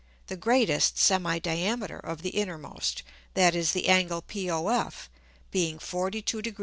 the greatest Semi diameter of the innermost, that is, the Angle POF being 42 Gr.